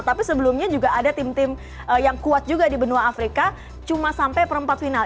tapi sebelumnya juga ada tim tim yang kuat juga di benua afrika cuma sampai perempat final